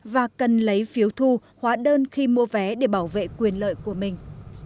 và cần lấy phiếu thu hóa đơn khi mua vé để bảo vệ quyền lợi của mình